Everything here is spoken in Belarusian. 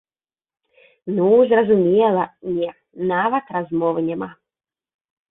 Ну, зразумела, не, нават размовы няма.